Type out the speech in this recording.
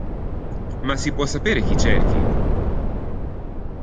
Ma si può sapere chi cerchi?